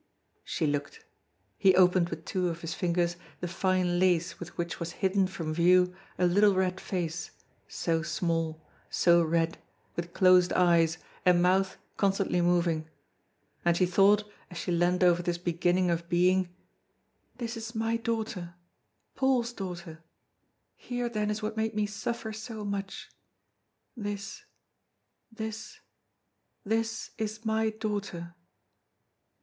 She looked. He opened with two of his fingers the fine lace with which was hidden from view a little red face, so small, so red, with closed eyes, and mouth constantly moving. And she thought, as she leaned over this beginning of being: "This is my daughter Paul's daughter. Here then is what made me suffer so much. This this this is my daughter!"